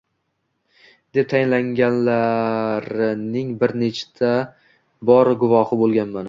– deb tayinlaganlarining bir necha bor guvoxi bo’lganman.